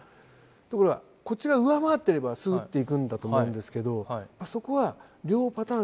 ところがこっちが上回ってればスーッていくんだと思うんですけどそこは両パターン